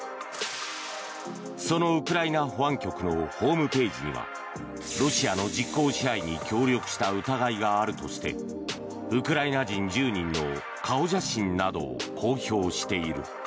そのウクライナ保安局のホームページにはロシアの実効支配に協力した疑いがあるとしてウクライナ人１０人の顔写真などを公表している。